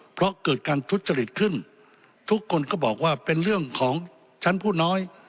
เพราะเกิดการทุจริตขึ้นทุกคนก็บอกว่าเป็นเรื่องของชั้นผู้น้อย